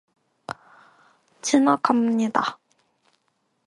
지나갑니다!